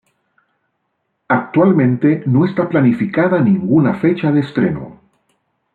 Actualmente no está planificada ninguna fecha de estreno.